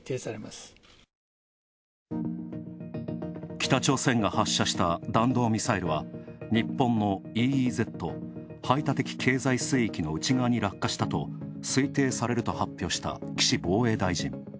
北朝鮮が発射した弾道ミサイルは日本のＥＥＺ＝排他的経済水域の内側に落下したと推定されると発表した岸防衛大臣。